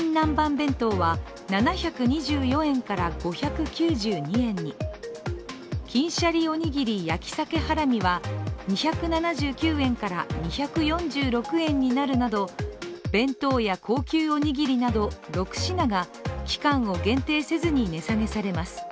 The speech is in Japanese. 弁当は７２４円から５９２円に、金しゃりおにぎり焼さけハラミは２７９円から２４６円になるなど弁当や高級おにぎりなど６品が期間を限定せずに値下げされます。